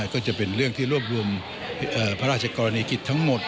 ก็จะเป็นเรื่องที่รวบรวมพระราชกรณีกิจทั้งหมด